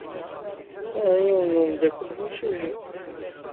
Sɛiɣ yiwen n umeddakel d imsujji.